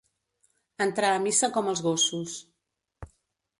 Entrar a missa com els gossos.